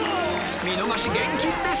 見逃し厳禁です！